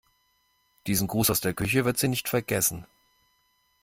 Diesen Gruß aus der Küche wird sie nicht vergessen.